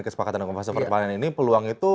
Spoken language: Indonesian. kesepakatan agama seperti yang pertama ini peluang itu